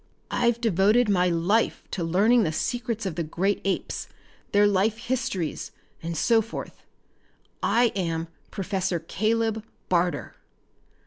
I've devoted my life to learning the secrets of the great apes, their life histories, and so forth. I am Professor Caleb Barter!"